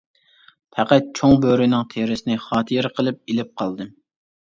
پەقەت چوڭ بۆرىنىڭ تېرىسىنى خاتىرە قىلىپ ئېلىپ قالدىم.